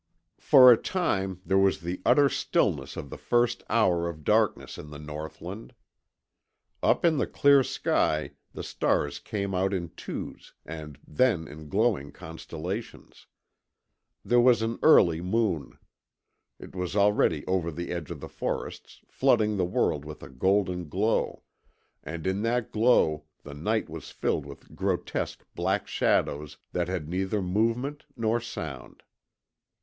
For a time there was the utter stillness of the first hour of darkness in the northland. Up in the clear sky the stars came out in twos and then in glowing constellations. There was an early moon. It was already over the edge of the forests, flooding the world with a golden glow, and in that glow the night was filled with grotesque black shadows that had neither movement nor sound.